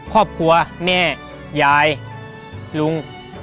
ครอบครัวแม่ยายลุง